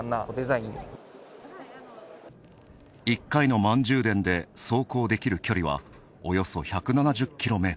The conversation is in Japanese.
１回の満充電で走行できる距離はおよそ１７０ｋｍ。